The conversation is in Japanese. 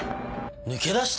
抜け出した？